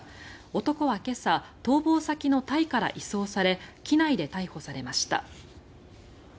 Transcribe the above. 男は今朝逃亡先のタイから移送され機内で逮捕されました。